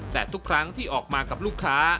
แต่ทุกครั้งที่ออกมากับลูกค้า